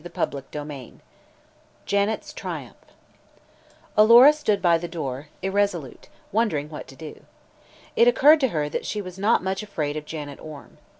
CHAPTER XX JANET'S TRIUMPH Alora stood by the door, irresolute, wondering what to do. It occurred to her that she was not much afraid of Janet Orme.